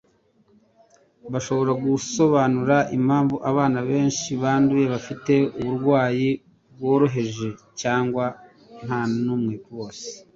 zishobora gusobanura impamvu abana benshi banduye bafite uburwayi bworoheje cyangwa ntanumwe rwose.